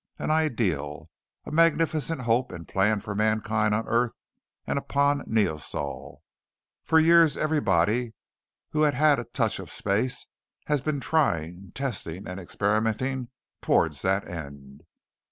An ideal. A magnificent hope and plan for mankind on earth and upon Neosol. For years everybody who has had a touch of space has been trying, testing, and experimenting towards that end.